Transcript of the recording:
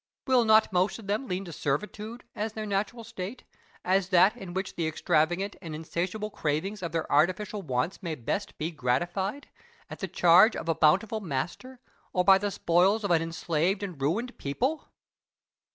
Will not most of them lean to servitude, as their natural state, as that in which the extravagant and insatiable cravings of their artificial wants may best be gratified at the charge of a bountiful master or by the spoils of an enslaved and ruined people?